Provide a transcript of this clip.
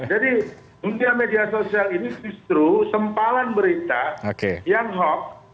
jadi dunia media sosial ini justru sempalan berita yang hoax